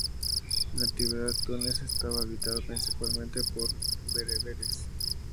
En la antigüedad, Túnez estaba habitado principalmente por bereberes.